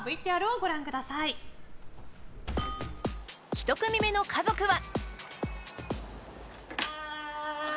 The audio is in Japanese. １組目の家族は。